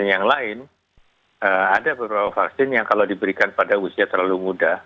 dan yang lain ada beberapa vaksin yang kalau diberikan pada usia terlalu muda